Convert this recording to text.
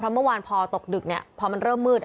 เพราะเมื่อวานพอตกดึกเนี่ยพอมันเริ่มมืด